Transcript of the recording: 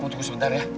kamu tunggu sebentar ya